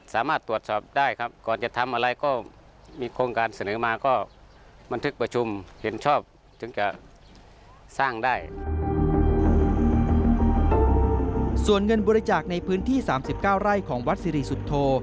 ส่วนเงินบริจาคในพื้นที่๓๙ไร่ของวัดสิริสุทธโธ